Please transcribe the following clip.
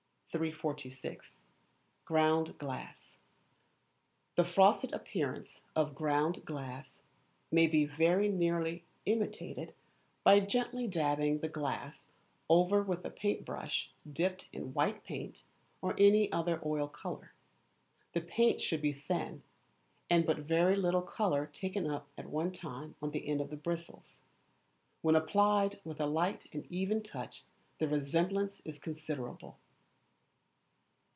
346. Ground Glass. The frosted appearance of ground glass may be very nearly imitated by gently dabbing the glass over with a paint brush dipped in white paint or any other oil colour. The paint should be thin, and but very little colour taken up at one time on the end of the bristles. When applied with a light and even touch the resemblance is considerable.